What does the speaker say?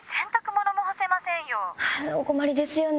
お困りですよね。